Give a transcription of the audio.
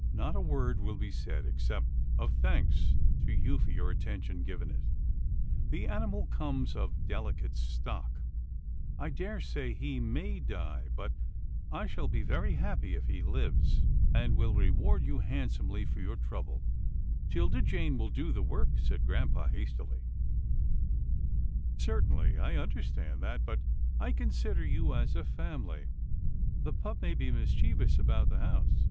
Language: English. " Not a word will be said, except of thanks to you for attention given it. The animal comes of delicate stock. I daresay he may die, but I shall be AN UNEXPECTED REQUEST 103 very happy if he Hves, and will reward you hand somely for your trouble." " 'Tilda Jane will do the work," said Grampa hastily. " Certainly, I understand that, but I consider you as a family. The pup may be mischievous about the house."